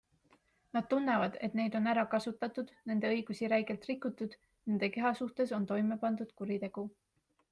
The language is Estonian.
Nad tunnevad, et neid on ära kasutatud, nende õigusi räigelt rikutud, nende keha suhtes on toime pandud kuritegu.